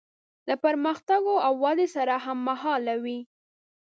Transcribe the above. له پرمختګونو او ودې سره هممهاله وي.